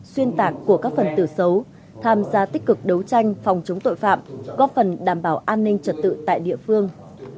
xuyên tạc của các phần tử xấu tham gia tích cực đấu tranh phòng chống tội phạm góp phần đảm bảo an ninh trật tự tại địa phương